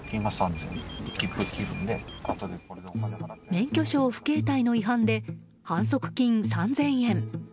免許証不携帯の違反で反則金３０００円。